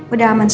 udah ganti nomor